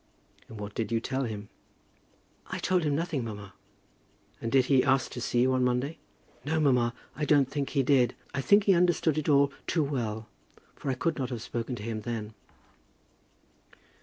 "And what did you tell him?" "I told him nothing, mamma." "And did he ask to see you on Monday?" "No, mamma; I don't think he did. I think he understood it all too well, for I could not have spoken to him then."